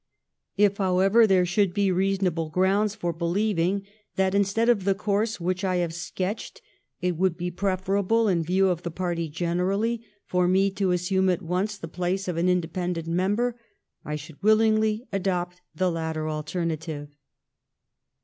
If, however, there should be reasonable grounds for believing that, instead of the course which I have sketched, it would be preferable, in view of the party generally, for me to assume at once the place of an independent member, I should willingly adopt the latter alternative."